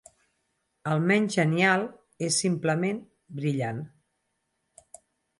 Almenys genial, és simplement brillant...